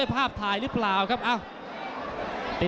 น้ำเงินรอโต